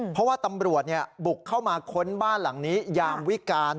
เพราะว่าตำรวจบุกเข้ามาค้นบ้านหลังนี้ยามวิการ